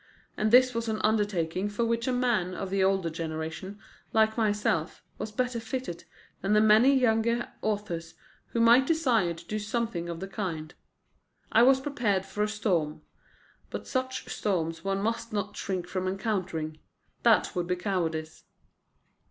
And this was an undertaking for which a man of the older generation, like myself, was better fitted than the many younger authors who might desire to do something of the kind. I was prepared for a storm; but such storms one must not shrink from encountering. That would be cowardice."